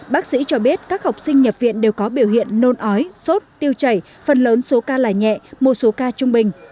bác sĩ cho biết các học sinh nhập viện đều có biểu hiện nôn ói sốt tiêu chảy phần lớn số ca là nhẹ một số ca trung bình